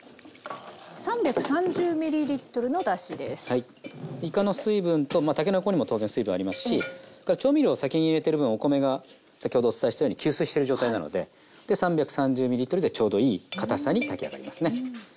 いかの水分とまあたけのこにも当然水分ありますしそれから調味料先に入れてる分お米が先ほどお伝えしたように吸水してる状態なのでで３３０ｍでちょうどいいかたさに炊き上がりますね。